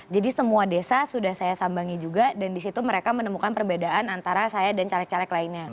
jadi semua desa sudah saya sambangi juga dan di situ mereka menemukan perbedaan antara saya dan caleg caleg lainnya